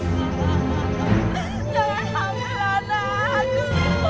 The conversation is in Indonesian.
tapi jangan ambil anakku